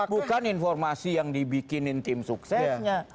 bukan informasi yang dibikinin tim sukses